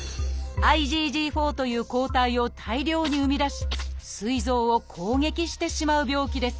「ＩｇＧ４」という抗体を大量に生み出しすい臓を攻撃してしまう病気です。